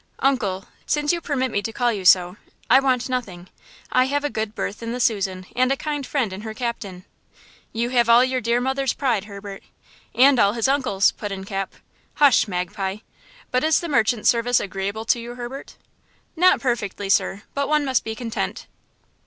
"Uncle–since you permit me to call you so–I want nothing. I have a good berth in the Susan and a kind friend in her captain." "You have all your dear mother's pride, Herbert." "And all his uncle's!" put in Cap. "Hush, Magpie! But is the merchant service agreeable to you, Herbert?" "Not perfectly, sir; but one must be content."